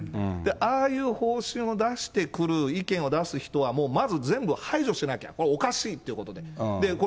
ああいう方針を出してくる、意見を出す人は、もうまず全部排除しなきゃ、おかしいってことで。